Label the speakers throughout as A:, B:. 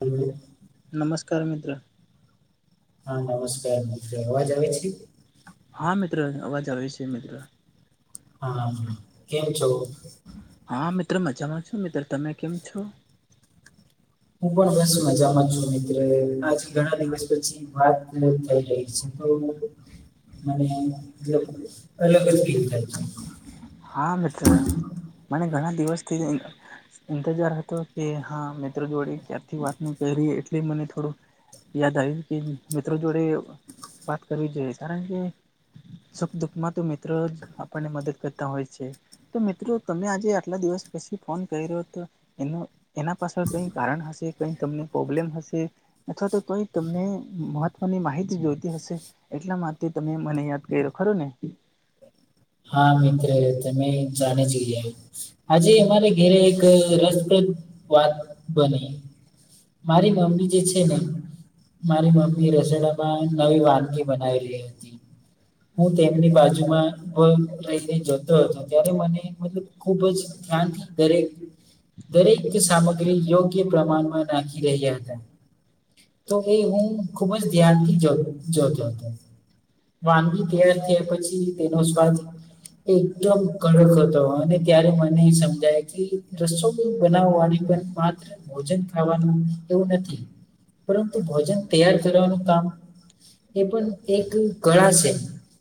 A: હમ.
B: નમસ્કાર મિત્રો.
A: હા નમસ્કાર મિત્રો અવાજ આવે છે.
B: હા મિત્ર અવાજ આવે છે મિત્ર.
A: હા હ કેમ છો.
B: હા મિત્રો મજામાં છો મિત્ર તમે કેમ છો.
A: હું પણ બસ મજામાં છું મિત્ર આજ ઘણા દિવસ પછી. વાત કર થઈ રહી છે તો. [unintelligible] અલગ ફીલ થાય છે
B: હા મિત્ર મને ઘણા દિવસથી. ઇંતજાર હતો કે હા મિત્રો જોડે ક્યારથી વાત ન કરી એટલે મને થોડું. યાદ આવ્યું કે મિત્રો જોડે. વાત કરવી જોઈએ કારણ કે સુખ દુઃખમાં તો મિત્ર જ આપણને મદદ કરતા હોય છે તો મિત્રો તમે આજે આટલા દિવસ પછી ફોન કર રહ્યો તો.. એનું એના પાછળ કઈ કારણ હશે કઈ તમને કય પ્રોબ્લેમ હશે. અથવા તો કોઈ તમને મહત્વની માહિતી જોઈતી હશે. એટલા માટે તમે મને યાદ કર્યો ખરું ને.
A: હા મિત્ર તમે જાણે જ ગીયા. આજે અમારા ઘેરે એક રસપ્રદ વાત બને. મારી મમ્મી જે છે ને મારી મમ્મી રસોડામાં નવી વાનગી બનાવેલી હતી. હું તેમની બાજુમાં. રહીને જતો ત્યારે મને મતલબ [unintelligible] ખુબ જ દરેક. દરેક સામગ્રી યોગ્ય પ્રમાણમાં નાખી રહ્યા હતા. તો એ હું ખુબ જ ધ્યાન થી જો જોતો હતો. વાનગી તૈયાર થયા પછી તેનો સ્વાદ. એકદમ કડક હતો અને ત્યારે મને એ સમજાય કે રસોઈ બનાવવા વાળી પણ. માત્ર ભોજન ખાવાનું એવું નથી. પરંતુ ભોજન તૈયાર કરવાનું કામ. એ પણ એક કળા છે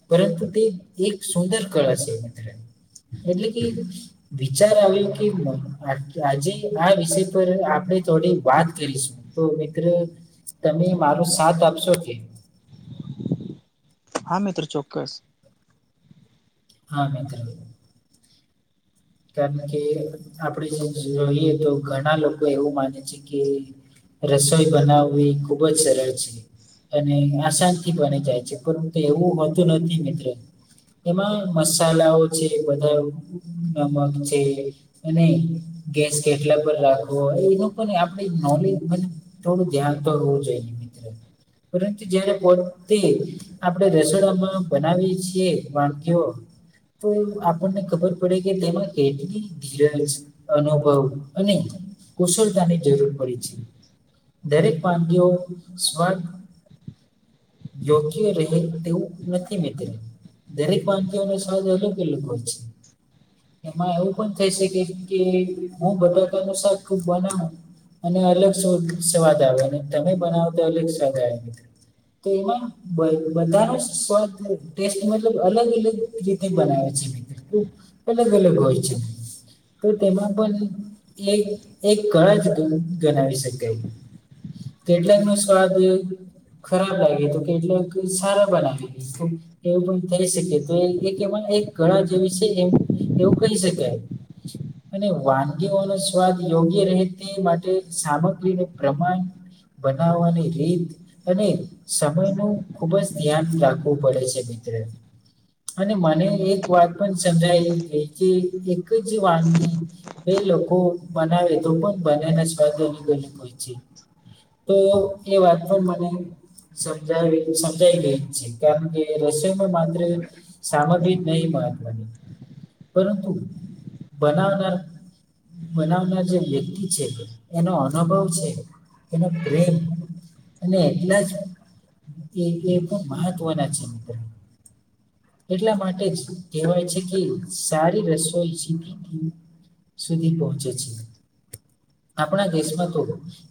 A: પરંતુ તે. એક સુંદર કળા છે [unintelligible] એટલે કે. વિચાર આવ્યો કે આ આજે આ વિષય પર આપણેે થોડી વાત કરીશું. તો મિત્ર તમે મારો સાથ આપશો કે.
B: હા મિત્ર ચોક્કસ.
A: હા મિત્ર કારણ કે આપડે જે જોઈએ તો ઘણા લોકો એવું માને છે કે. રસોઈ બનાવવી ખુબ જ સરળ છે.. અને આશાન થી બની જાય છે પરંતુ એવું હોતું નથી મિત્ર. એમાં મસાલાઓ છે બધા નમક છે. અને ગેસ કેટલા પર રાખવો એનો પણ આપણે નોલેજ મ. થોડું ધ્યાન તો હોવું જોઈએ મિત્ર પરંતુ જયારે પોતે. આપણેે રસોડામાં બનાવીએ છીએ વાનગીઓ તો એ આપણને ખબર પડે. કે તેમાં કેટલી ધીરજ અનુભવ અને. કુશળતાની જરૂર પડી છે. દરેક વાનગીઓ સ્વચ્છ. યોગ્ય રહે તેવું નથી મિત્ર. દરેક વાનગીઓનો સ્વાદ અલગ અલગ હોય છે. એમાં એવું પણ થઈ શકે છે કે, હું બટાકાનું શાક ખૂબ બનાવું અને અલગ શ-સ્વાદ આવે અને તમે બનાવો તો અલગ સ્વાદ આવે મિત્ર. તો એમાં બ-બધાનો સ્વાદ ટેસ્ટ મતલબ અલગ અલગ રીતે બનાવે છે. એટલું અલગ અલગ હોય છે. તો તેમાં પણ એક એક કળા જ તો ગણાવી શકાય. કેટલાકનો સ્વાદ ખરાબ લાગે તો કેટલાક સારા બનાવે એવું પણ થઈ શકે તો એક એમાં એક કળા જેવી છે એમ એવું કહી શકાય. અને વાનગીઓનો સ્વાદ યોગ્ય રહે તે માટે સામગ્રીનું પ્રમાણ બનાવવાની રીત અને સમયનું ખુબ જ ધ્યાન રાખવું પડે છે મિત્ર. અને મને એક વાત પણ સમજાય ગઈ કે, એક જ વાનગી બે લોકો બનાવે તો પણ બનેના સ્વાદ અલગ અલગ હોય છે. તો એ વાતનો મને સમજાવી સમજાઈ ગઈ છે, કારણ કે રસોઈમાં માત્ર સામગ્રી નહી મહત્વની. પરંતુ બનાવનાર બનાવનાર જે વ્યક્તિ છે એનો અનુભવ છે. એનો પ્રેમ અને એટલે જ એ એ બહું મહત્વના છે મિત્ર. એટલા માટે જ કહેવાય છે કે એ સારી રસોઈ સુધી સુધી પહોંચે છે. આપણા દેશમાં તો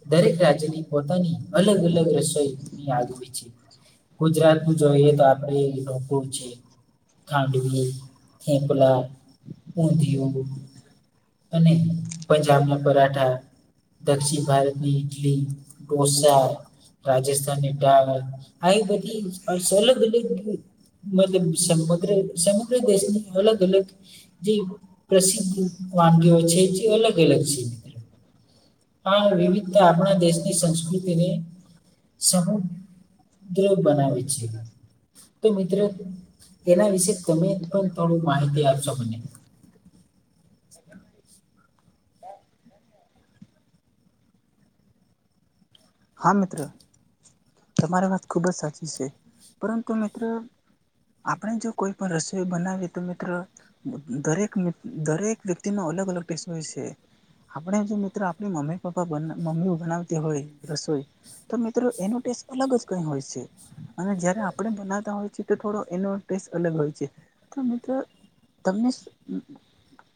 A: દરેક રાજ્યની પોતાની અલગ અલગ રસોઈ ની યાદ હોય છે. ગુજરાતનું જોઈએ તો આપડે એનો હોય છે ખાડવી, થેપલા, ઉંધિયું અને પંજાબના પરાઠા દક્ષિણ ભારતની ઇડલી, ઢોસા રાજસ્થાનની દાળ આવી બ [unintelligible] મતલબ સમુદ્ર સમગ્ર દેશની અલગ-અલગ જે પ્રસિદ્ધ વાનગીઓ છે, જે અલગ-અલગ છે. આ વિવિધતા આપણા દેશની સંસ્કૃતિને સમ દ્ર બનાવે છે, તો મિત્ર એના વિશે તમે પણ થોડી માહિતી આ આપશો મને?
B: હા મિત્ર, તમારી વાત ખુબ જ સાચી છે, પરંતુ મિત્ર આપણે જો કોઈ પણ રસોઈ બનાવીએ તો મિત્ર દરેક દરેક વ્યક્તિનો અલગ-અલગ ટેસ્ટ હોય છે. આપણે જો મિત્ર આપણી મમ્મી-પપ્પા બને મમ્મી બનાવતી હોય રસોઈ તો મિત્ર એનો ટેસ્ટ અલગ જ કઈ હોય છે. અને જયારે આપણે બનાવતા હોય છે, એ તો થોડો એનો ટેસ્ટ અલગ હોય છે. તો મિત્ર તમને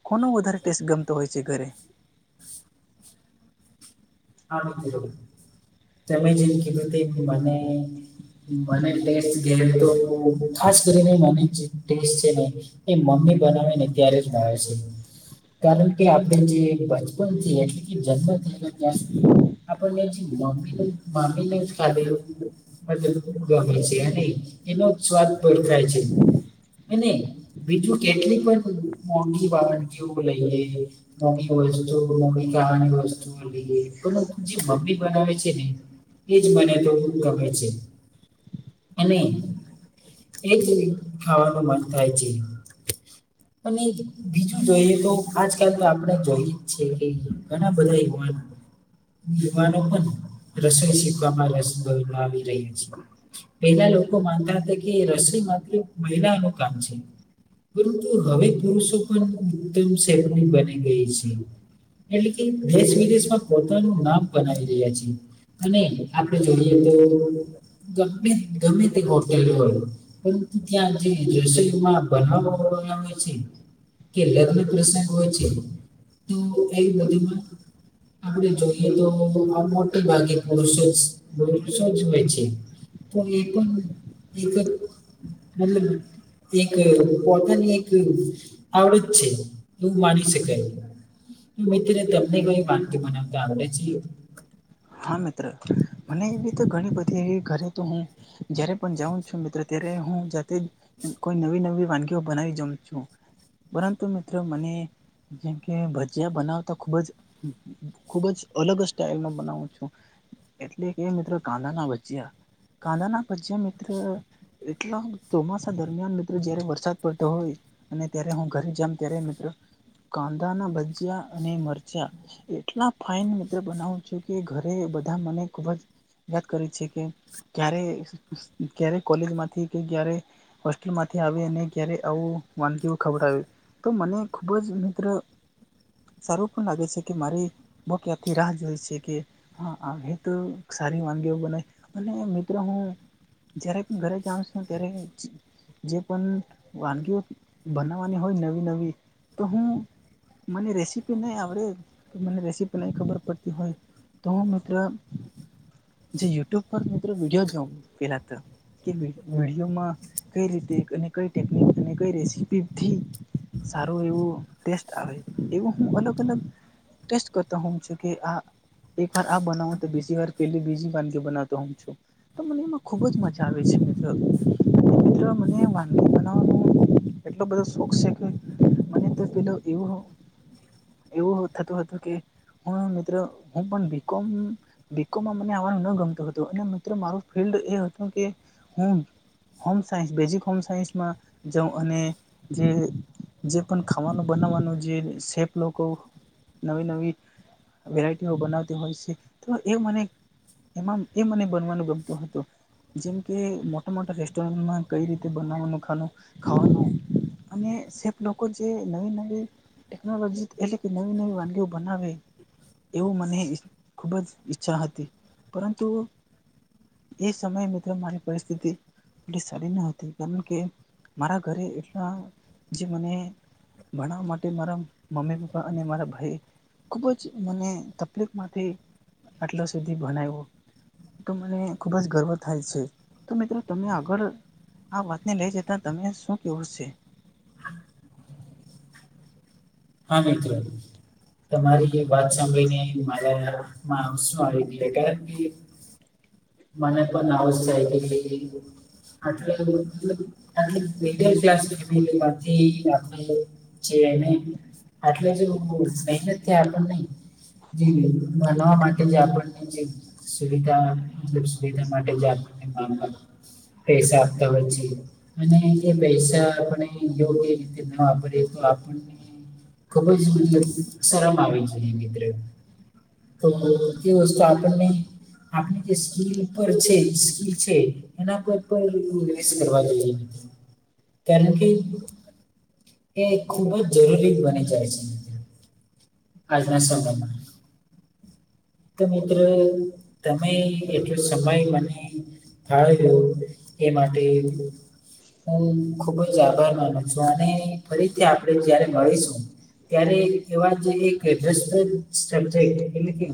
B: કોનો વધારે ટેસ્ટ ગમતો હોય છે ઘરે?
A: હા મિત્ર, તમે જેમ કીધું એમ મને મને ટેસ્ટ ગમે તો, ખાસ કરીને મને ટેસ્ટ છે ને. એ મમ્મી બનાવે ને, ત્યારે જ મા આવે છે. કારણ કે આપણે જે બચપનથી એટલે કે, જન્મ થયેલા ત્યાંથી આપણને મમી મામીને ખાે [unintelligible] મ ગમે છે, અને એનો જ સ્વાદ પણ થાય છે, અને. કેટલીક પણ વાણ કેવું લઈએ. મો વસ્તુ મો કની વસ્તુ લઈ, જે મમ્મી બનાવે છે ને. એજ મને તો ગમે છે. અને એ જ ખાવાનું મન થાય છે. [unintelligible] અને બીજું જોઈએ તો, આજકાલ તો આપણેે જોઈએ જ છે, કે ઘણા બધા બ [unintelligible] યુવાનો પણ રસોઈ શીખવામાં, રશ માં આવી રહ્યા છે. પેલા લોકો માનતા હતા કે, રસોઈ માત્ર મહિલા નું કામ છે. પરંતુ હવે પુરુષો પણ એકદમ સેફ બની ગઈ છે. કારણ કે એ જ. વિદેશમાં પોતાનું નામ બનાવી રહ્યા છે, અને આપણે જોઈએ તો. ગમે, ગમે તે હોટેલ હો. પરંતુ ત્યાં જે રસોઈમાં બનાવ હોય છે.. કે લગ્ન પ્રસંગ હોય છે, તો એ બધુમાં. આપણે જોઈએ તો, મોટે ભાગે પુરુષો જ પરુષો જ હોય છે. એક હ પણ [unintelligible] એક પોતાની એક આવડત છે, એ માની તો મિત્ર, તમને કઈ વાનગી બનાવતા આવડે છે.
B: હા, મિત્ર મને એવી રીતે ઘણી બધી એવી ઘરે તો હું જયારે પણ જાઉં છું, મિત્રો ત્યારે હું જાતે જ કોઈ નવી-નવી વાનગીઓ બનાવી જોમ છું, પરંતુ મિત્રો મને જેમ કે, ભજીયા બનાવતા, ખુબ જ, ખુબ જ અલગ સ્ટાઈલમાં. બનાવું છું, એટલે કે મિત્રો કાંદા ના ભજીયા. કાંદના ભજ્યા મિત્ર. એટલા ચોમાસા દરમિયાન મિત્રો, જ્યારે વરસાદ પડતો હોય.. અને ત્યારે હું ઘરે જ હોઉં, ત્યારે મિત્રો.... કાંદાના ભજિયા અને મરચાં એટલા ફાઈન, મિત્ર, બનાવું છું. કે ઘરે બધા મને ખૂબ જ યાદ કરે છે કે... ક્યારે ક્યારે કોલેજમાંથી કે, ક્યારે... હોસ્ટેલમાંથી આવીને ક્યારે આવું વાનગી ખવડાવું... તો મને ખૂબ જ, મિત્ર... સારું પણ લાગે છે કે મારી મા ક્યાંથી રાહ જોઈ છે. કે હા, તો સારી વાનગીઓ બનાવાય અને મિત્રો, હું... જ્યારે ઘરે જાઉં છું ત્યારે... જે પણ વાનગીઓ બનાવવાની હોય, નવી નવી, તો હું... મને રેસીપી નહીં આવડે કે મને રેસીપી નહીં ખબર પડતી હોય. તો મિત્ર, જે યુટ્યુબ પર મિત્ર વિડિયો જોમ પેલા ત. કે વીડિયોમાં કઈ રીતે અને કઈ ટેકનિક અને કઈ રેસીપી થી.. સારું એવું ટેસ્ટ આવે એવું અલગ અલગ... ટેસ્ટ કરતો હોઉં છું કે આ એક વાર આ બનાવું તો બીજી વાર પેલી બીજી વાનગીઓ બનાવતો હોઉં છું. તો મને એમાં ખૂબ જ મજા આવે છે મિત્ર. મિત્ર, મને વાનગી બનાવવાનો એટલો બધો શોખ છે કે મને તો પેલો એવો એવું થતું હતું કે હું મિત્ર હું પણ બી. કોમ બી. કોમમાં મને આવવાનું ન ગમતું હતું અને મિત્ર મારું ફિલ્ડ એ હતું કે હું હોમ સાયન્સ બેઝિક હોમ સાયન્સમાં જાઉં અને જે જે પણ ખાવાનું બનાવવાનું જે શેફ લોકો નવી નવી વેરાયટીઓ બનાવતી હોય છે. તો એ મને એમાં એ મને બનાવવાનું ગમતું હતું. જેમ કે મોટા મોટા રેસ્ટોરન્ટમાં કેઇ રીતે બનાવાનું ખાવાનું. ખાવાનું અને શેફ લોકો જે નવી નવી ટેકનોલોજીથી એટલે કે નવી નવી વાનગીઓ બનાવે એવું મને ખૂબ જ ઈચ્છા હતી. પરંતુ એ સમયે મિત્ર મારી પરિસ્થિતિ એટલી સારી ન હતી કારણ કે મારા ઘરે એટલા જે મને ભણવા માટે મારા મમ્મી-પપ્પા અને મારા ભાઈ ખૂબ જ મને તકલીફમાંથી આટલા સુધી ભણાયવુ. તો મને ખૂબ જ ગર્વ થાય છે. તો મિત્રો તમે આગળ આ વાતને લઈ જતા તમને શું કહેવું છે?
A: હા મિત્ર, તમારી વાત સાંભળીને મારા મા આંસુ આવી ગિયા. કારણ કે મને પણ આવું જ થાય કે [inaudible] જે નહીં એટલે જે [unintelligible] વાપરવા માટે આપણને જે સુવિધા સુવિધા માટે આપને કામ લાગે. પૈસા આપતા હોય છે. અને જે પૈસા આપણે યોગ્ય રીતે ન વાપરીએ તો આપણે ખૂબ જ મને શરમ આવે છે મિત્ર. તો [unintelligible] વસ્તુ આપણને આપણી જે સ્કિલ પર છે. સ્કિલ છે એના કોય પર [unintelligible] કરવા જોઈએ. કારણ કે એ ખુબ જ જરૂરી બની જાય છે. આજના સમયમાં. તો મિત્રો તમે એટલો સમય મને ફાળવ્યો એ માટે હું ખુબ જ આભાર માનો છું અને ફરીથી આપણે જયારે મળીશું ત્યારે એવા જે એક રસપ્રદ સમજાય એટલે કે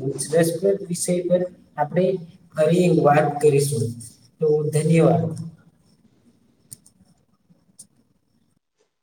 A: રસપ્રદ વિષય પર આપણે હવે વાત કરીશું, તો ધન્યવાદ.